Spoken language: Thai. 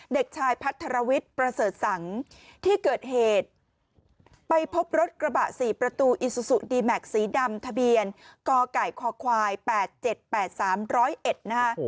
เด็กชายพัทรวิทย์ประเสริฐสังที่เกิดเหตุไปพบรถกระบะ๔ประตูอิซูซูดีแม็กซ์สีดำทะเบียนกไก่คควาย๘๗๘๓๐๑นะฮะ